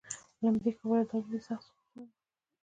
له همدې کبله تولید له سخت سقوط سره مخ شو